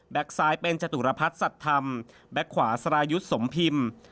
ซ้ายเป็นจตุรพัฒน์สัตว์ธรรมแบ็คขวาสรายุทธ์สมพิมพ์